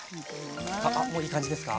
あもういい感じですか？